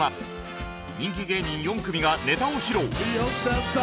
人気芸人４組がネタを披露。